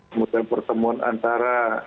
kemudian pertemuan antara